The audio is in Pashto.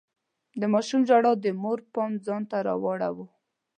د ماشوم ژړا د مور پام ځان ته راواړاوه.